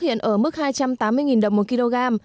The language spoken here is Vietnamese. bình phước hiện ở mức hai trăm tám mươi đồng một kg